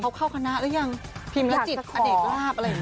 คุณขอเขาเข้าคณะหรือยังพิมพ์แล้วจิตอเด็กราบอะไรอย่างนี้